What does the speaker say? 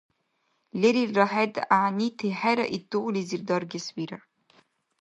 Лерилра хӀед гӀягӀнити хӀера ит тугълизир даргес вирар